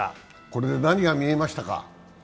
これで何が見えましたか？